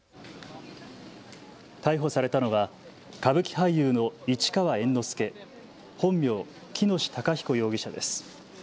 逮捕されたのは歌舞伎俳優の市川猿之助、本名、喜熨斗孝彦容疑者です。